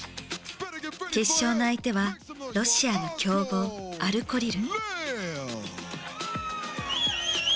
決勝の相手はロシアの強豪アルコリル。